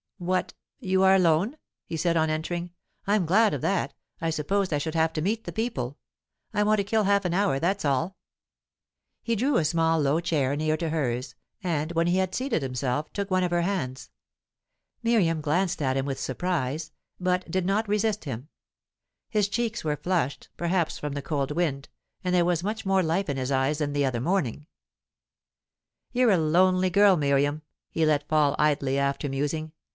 "What! you are alone?" he said on entering. "I'm glad of that. I supposed I should have to meet the people. I want to kill half an hour, that's all." He drew a small low chair near to hers, and, when he had seated himself, took one of her hands. Miriam glanced at him with surprise, but did not resist him. His cheeks were flushed, perhaps from the cold wind, and there was much more life in his eyes than the other morning. "You're a lonely girl, Miriam," he let fall idly, after musing.